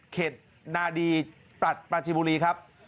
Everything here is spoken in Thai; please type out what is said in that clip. นาดีปรัชปราจิบุรีครับ